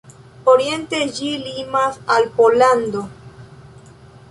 Oriente ĝi limas al Pollando.